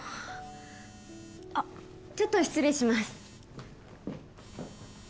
ちょっと失礼します